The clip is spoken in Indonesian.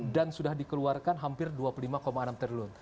dan sudah dikeluarkan hampir dua puluh lima enam triliun